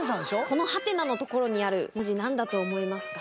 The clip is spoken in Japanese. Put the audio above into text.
このハテナの所にある文字何だと思いますか？